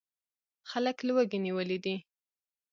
خلک لوږې نیولي دي.